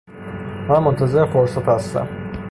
من منتظر فرصت هستم